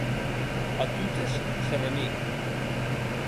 A totes se remic.